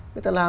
người ta làm